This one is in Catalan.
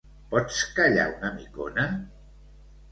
Pots callar una micona?